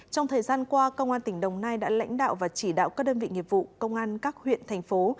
trong thời gian qua công an tỉnh đồng nai đã lãnh đạo và chỉ đạo các đơn vị nghiệp vụ công an các huyện thành phố